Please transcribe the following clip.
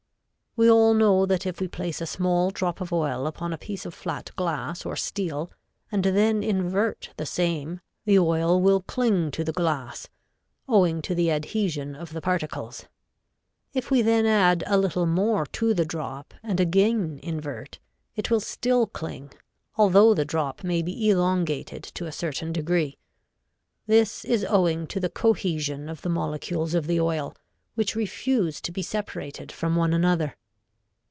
We all know that if we place a small drop of oil upon a piece of flat glass or steel and then invert the same the oil will cling to the glass, owing to the adhesion of the particles; if we then add a little more to the drop and again invert, it will still cling, although the drop may be elongated to a certain degree. This is owing to the cohesion of the molecules of the oil, which refuse to be separated from one another.